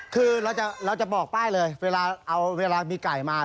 คือเราจะบอกป้ายเลยเวลาเอาเวลามีไก่มา